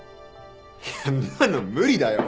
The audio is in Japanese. いやそんなの無理だよ！